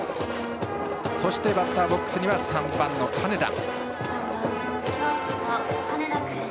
そしてバッターボックスには３番、金田。